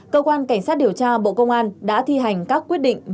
cơ quan cảnh sát điều tra bộ công an đã thi hành các quyết định